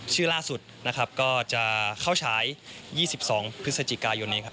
ชื่อล่าสุดก็เก้าฉาย๒๒พฤศจิกายนนี้